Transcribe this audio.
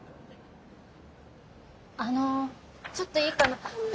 あのちょっといいかな。